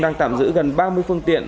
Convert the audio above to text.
đang tạm giữ gần ba mươi phương tiện